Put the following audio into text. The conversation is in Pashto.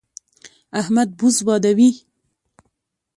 احمد بوس بادوي.